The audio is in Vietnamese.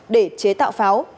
để chế tạo pháo